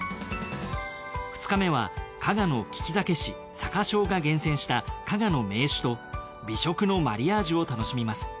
２日目は加賀の利き酒師酒匠が厳選した加賀の銘酒と美食のマリアージュを楽しみます。